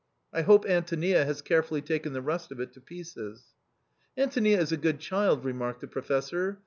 I hope Antonia has carefully taken the rest of it to pieces." " Antonia is a good child/* remarked the Professor.